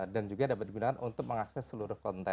dan juga dapat digunakan untuk mengakses seluruh konten